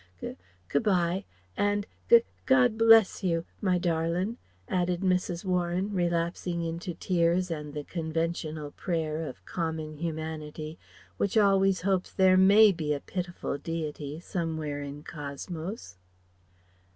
G good bye; and G God b bless you, my darlin'" added Mrs. Warren relapsing into tears and the conventional prayer, of common humanity, which always hopes there may be a pitiful Deity, somewhere in Cosmos.